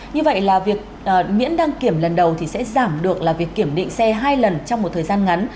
như vậy miễn đăng kiểm lần đầu sẽ giảm được việc kiểm định xe hai lần trong một thời gian ngắn